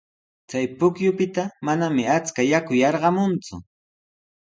Chay pukyupita manami achka yaku yarqamunku.